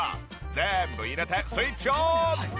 全部入れてスイッチオン！